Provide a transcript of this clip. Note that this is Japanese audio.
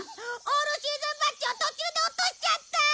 オールシーズンバッジを途中で落としちゃった！